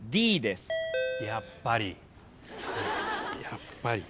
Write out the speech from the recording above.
やっぱり。